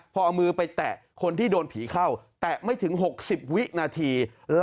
พอเอามือไปแตะคนที่โดนผีเข้าแตะไม่ถึง๖๐วินาที